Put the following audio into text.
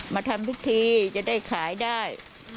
มาทำพิธีจะได้ขายได้